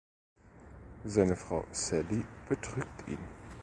Seine Frau Sallie betrügt ihn.